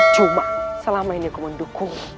cuma selama ini aku mendukung